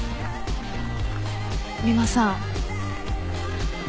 三馬さん。